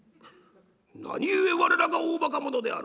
何故我らが大ばか者であるか。